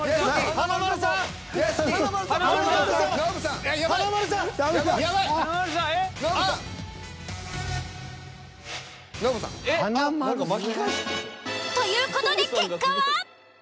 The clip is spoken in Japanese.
華丸さん。という事で結果は。